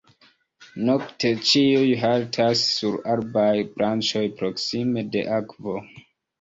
Nokte ĉiuj haltas sur arbaj branĉoj proksime de akvo.